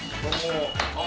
どうも。